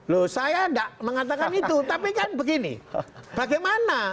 loh saya enggak mengatakan itu tapi kan begini bagaimana